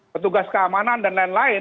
petugas keamanan dan lain lain